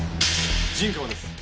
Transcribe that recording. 陣川です。